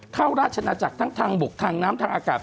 ราชนาจักรทั้งทางบกทางน้ำทางอากาศ